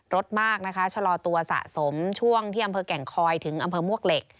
รถมากนะคะชะลอตัวสะสมช่วงที่อำเภอแก่งคอยถึงอำเภอมวกเหล็ก